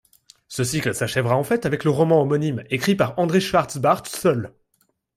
Ce cycle s'achèvera en fait avec le roman homonyme, écrit par André Schwarz-Bart seul.